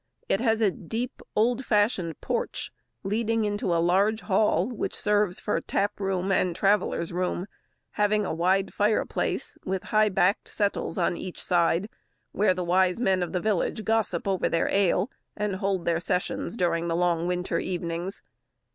It has a deep, old fashioned porch, leading into a large hall, which serves for tap room and travellers' room; having a wide fireplace, with high backed settles on each side, where the wise men of the village gossip over their ale, and hold their sessions during the long winter evenings.